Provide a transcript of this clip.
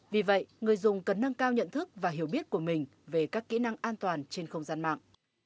vì vậy người dùng cần nâng cao nhận thức và hiểu biết của mình về các kỹ năng an toàn trên không gian mạng